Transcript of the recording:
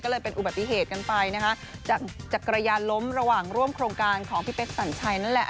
ก็เลยเป็นอุบัติเหตุกันไปนะคะจากจักรยานล้มระหว่างร่วมโครงการของพี่เป๊กสัญชัยนั่นแหละ